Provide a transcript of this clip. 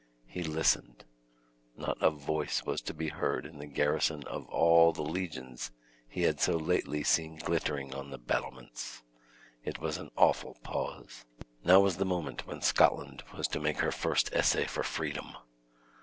He listened; not a voice was to be heard in the garrison of all the legions he had so lately seen glittering on its battlements. It was an awful pause. Now was the moment when Scotland was to make her first essay for freedom!